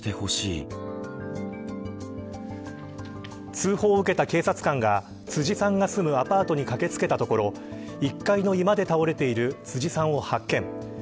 通報を受けた警察官が辻さんが住むアパートに駆けつけたところ１階の居間で倒れている辻さんを発見。